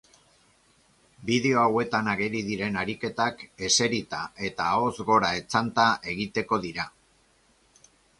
Bideo hauetan ageri diren ariketak eserita eta ahoz gora etzanda egiteko dira.